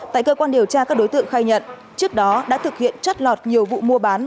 tại cơ quan điều tra các đối tượng khai nhận trước đó đã thực hiện chất lọt nhiều vụ mua bán